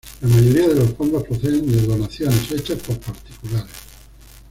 La mayoría de los fondos proceden de donaciones hechas por particulares.